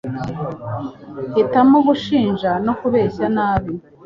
hitamo gushinja no kubeshya nabi